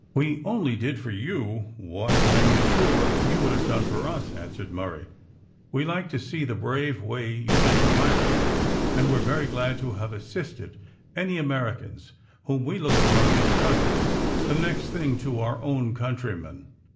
"We only did for you what I am sure you would have done for us," answered Murray. "We liked to see the brave way you met the pirates, and we are very glad to have assisted any Americans, whom we look upon as cousins, the next thing to our own countrymen."